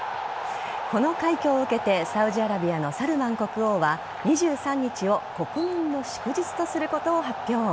この快挙を受けてサウジアラビアのサルマン国王は２３日を国民の祝日とすることを発表。